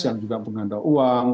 yang juga pengganda uang